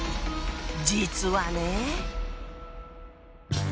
実はね。